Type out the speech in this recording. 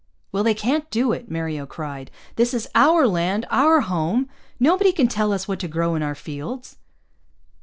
"Well, they can't do it," Mario cried. "This is our land, our home. Nobody can tell us what to grow in our fields."